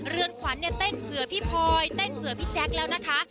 เรือนขวัญเนี่ยเต้นเผื่อพี่พลอยเต้นเผื่อพี่แจ๊คแล้วนะคะ